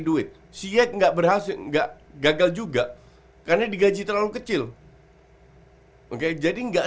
duit siet nggak berhasil enggak gagal juga karena digaji terlalu kecil oke jadi enggak